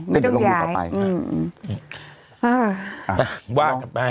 ก็จะต้องดูต่อไป